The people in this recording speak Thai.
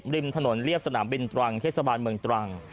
ริมถนนเรียบสนามบินตรังเทศบาลเมืองตรัง